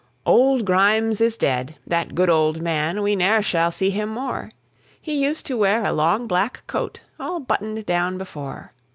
Old Grimes is dead; that good old man, We ne'er shall see him more; He used to wear a long, black coat, All buttoned down before.